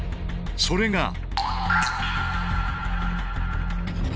それが。